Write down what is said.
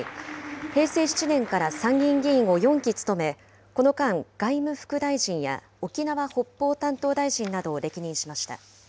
平成７年から参議院議員を４期務め、この間、外務副大臣や沖縄・北方担当大臣などを歴任しました。